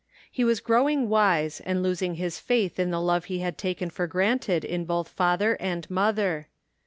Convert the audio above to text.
He was growing wise and losing his faith in the love he had taken for granted in both father and mother.